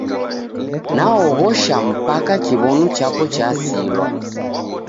Naog'osha mpaka kiwonu chapo chasilwa.